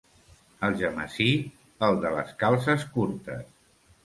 Algemesí, els de les calces curtes.